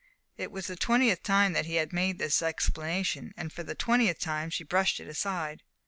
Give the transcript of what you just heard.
It was the twentieth time that he had made this explanation, and for the twentieth time, she brushed it aside.